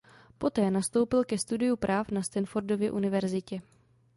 Poté nastoupil ke studiu práv na Stanfordově univerzitě.